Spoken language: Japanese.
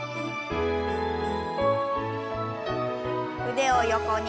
腕を横に。